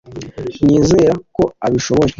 Nizera ko abishoboye (Eldad)